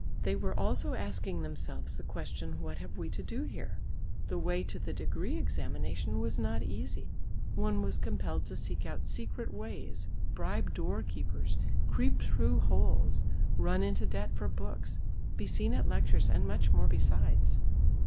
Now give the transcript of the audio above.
They were also asking themselves the question "What have we to do here?" The way to the degree examination was not easy; one was compelled to seek out secret ways, bribe door keepers, creep through holes, run into debt for books, be seen at lectures and much more besides.